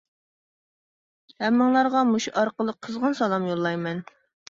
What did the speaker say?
ھەممىڭلارغا مۇشۇ ئارقىلىق قىزغىن سالام يوللايمەن.